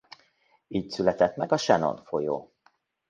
Így született meg a Shannon folyó.